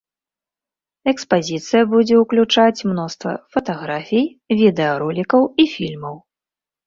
Экспазіцыя будзе ўключаць мноства фатаграфій, відэаролікаў і фільмаў.